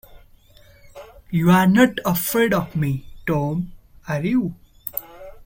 You're not afraid of me, Tom, are you?